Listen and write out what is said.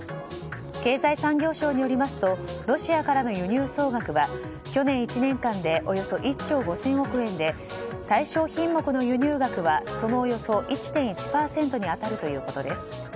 経済産業省によりますとロシアからの輸入総額は去年１年間でおよそ１兆５０００億円で対象品目の輸入額はそのおよそ１．１％に当たるということです。